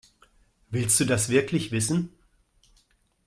Willst du das wirklich wissen?